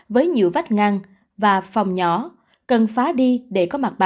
với nhiều vách ngăn và phòng nhỏ cần phá đi để có mặt